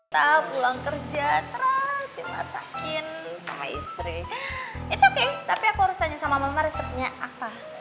tablo kerja terakhir masakin istri itu oke tapi aku harus tanya sama mama resepnya apa